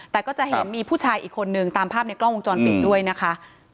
แต่ก็จะเห็นมีผู้ชายอีกคนนึงตามภาพในกล้องวงจรปิดด้วยนะคะ